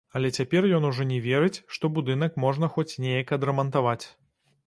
Але цяпер ён ужо не верыць, што будынак можна хоць неяк адрамантаваць.